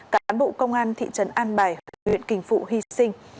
cán bộ công an thị trấn an bài huyện kỳnh phụ hy sinh